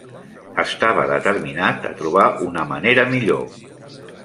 Estava determinat a trobar una manera millor.